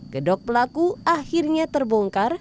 gedok pelaku akhirnya terbongkar